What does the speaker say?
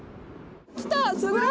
来たすごい！